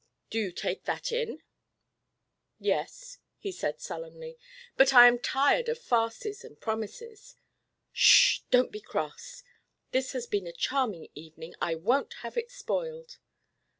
Do you take that in?" "Yes," he said, sullenly; "but I am tired of farces and promises." "Shh, don't be cross. This has been a charming evening. I won't have it spoiled."